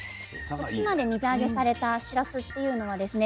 徳島で水揚げされたしらすっていうのはですね